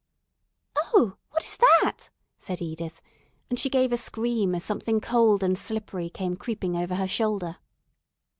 "Oh, what is that?" said Edith, and she gave a scream as something cold and slippery came creeping over her shoulder.